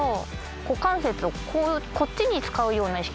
股関節をこうこっちに使うような意識。